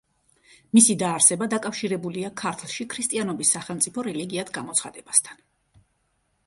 მისი დაარსება დაკავშირებულია ქართლში ქრისტიანობის სახელმწიფო რელიგიად გამოცხადებასთან.